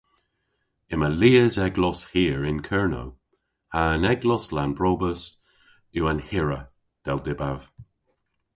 "Yma lies eglos hir yn Kernow ha'n eglos Lannbrobus yw an hirra, dell dybav."